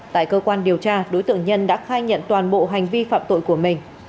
tại cơ quan điều tra đối tượng nhân đã khai nhận toàn bộ hành vi phạm tội của mình